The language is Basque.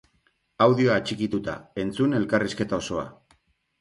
Audioa atxikituta, entzun elkarrizketa osoa!